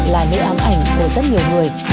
là nơi ám ảnh của rất nhiều người